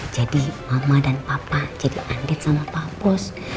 jadi mama dan papa jadi andin sama pak bos